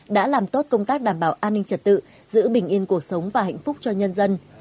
đã làm tốt công tác đảm bảo an ninh trật tự giữ bình yên cuộc sống và hạnh phúc cho nhân dân